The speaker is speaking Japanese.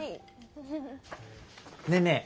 ねえねえ